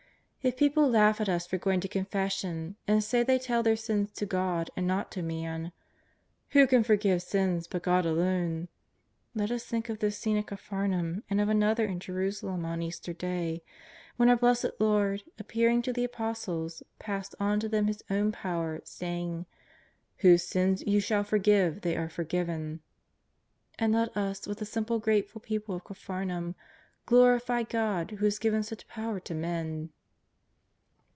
If people laugh at us for going to confession, and say they tell their sins to God and not to man —" who can forgive sins but God alone ?'' Let us thirds: of this scene at Capharnaum and of another in Jerusalem on Easter Day, when our Blessed Lord, appearing to the Apostles, passed on to them His ovni power, saying: " Whose sins you shall forgive they are forgiven." And let us with the simple grateful people of Caphar naum glorify God who has given such power to men.